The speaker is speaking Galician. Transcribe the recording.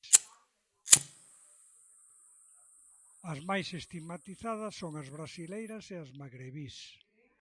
As máis estigmatizadas son as brasileiras e as magrebís.